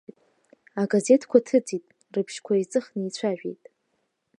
Агазеҭқәа ҭыҵит, рыбжьқәа еиҵыхны ицәажәеит.